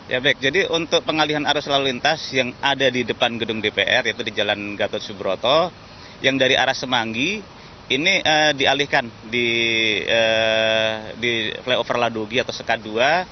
ya baik jadi untuk pengalihan arus lalu lintas yang ada di depan gedung dpr yaitu di jalan gatot subroto yang dari arah semanggi ini dialihkan di flyover ladogi atau sekat dua